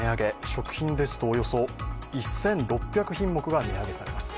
食品ですと、およそ１６００品目が値上げされます。